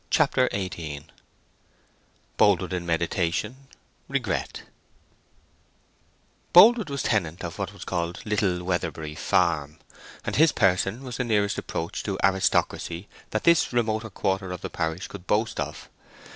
CHAPTER XVIII Boldwood in Meditation—Regret Boldwood was tenant of what was called Little Weatherbury Farm, and his person was the nearest approach to aristocracy that this remoter quarter of the parish could boast of.